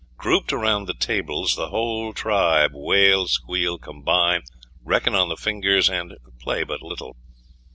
Grouped around the tables, the whole tribe wail, squeal, combine, reckon on the fingers, and play but little.